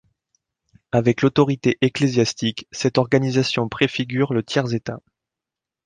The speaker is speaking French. Avec l'autorité ecclésiastique, cette organisation préfigure le Tiers état.